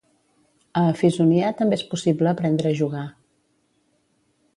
A Afizonia també és possible aprendre a jugar.